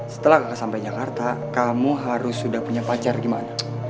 setelah sampai jakarta kamu harus sudah punya pacar gimana